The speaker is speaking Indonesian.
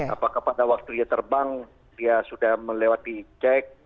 apakah pada waktu dia terbang dia sudah melewati cek